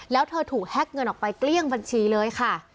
แล้วเธอถูกแฮ็กเงินออกไปเกลี้ยงบัญชีเลยค่ะ